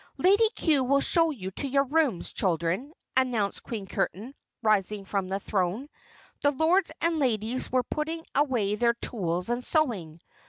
"Lady Cue will show you to your rooms, children," announced Queen Curtain, rising from her throne. The Lords and Ladies were putting away their tools and sewing.